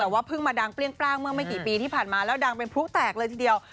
แต่ว่าเพิ่งมาดังเปรี้ยงปร่างเมื่อไม่กี่ปีที่ผ่านมาแล้วดังเป็นพลุแตกเลยทีเดียว